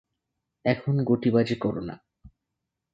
এখন গুটিবাজি কোরো না।